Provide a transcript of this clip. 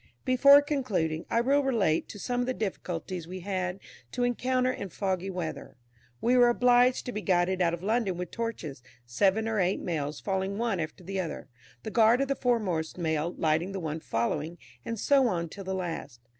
Before concluding, I will relate some of the difficulties we had to encounter in foggy weather. We were obliged to be guided out of London with torches, seven or eight Mails following one after the other, the guard of the foremost Mail lighting the one following, and so on till the last.